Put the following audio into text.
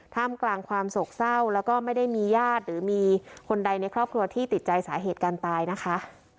ท่ามกลางความโศกเศร้าแล้วก็ไม่ได้มีญาติหรือมีคนใดในครอบครัวที่ติดใจสาเหตุการตายนะคะ